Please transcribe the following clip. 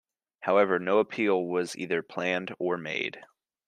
However, no appeal was either planned or made.